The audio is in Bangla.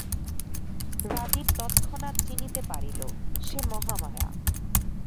রাজীব তৎক্ষণাৎ চিনিতে পারিল, সে মহামায়া।